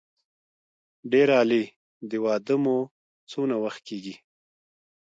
ډېر عالي د واده مو څونه وخت کېږي.